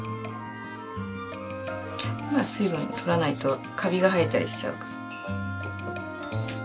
まあ水分取らないとカビが生えたりしちゃうから。